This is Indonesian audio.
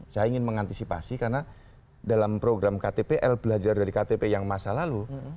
saya ingin mengantisipasi karena dalam program ktpl belajar dari ktp yang masa lalu